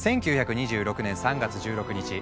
１９２６年３月１６日